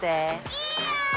いいよ！